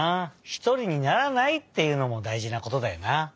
ひとりにならないっていうのもだいじなことだよな。